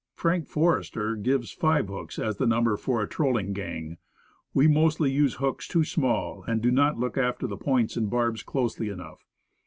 "Frank Forester" gives five hooks as the number for a trolling gang. We mostly use hooks too small, and do not look after points and barbs closely enough.